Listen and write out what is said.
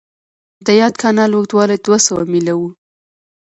د یاد کانال اوږدوالی دوه سوه میله و.